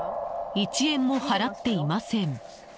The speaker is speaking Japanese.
１円も払っていません。